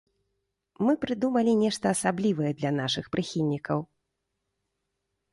Мы прыдумалі нешта асаблівае для нашых прыхільнікаў!